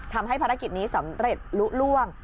ทำให้ภารกิจนี้สำเร็จลุล่วง